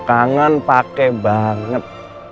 kangen pake banget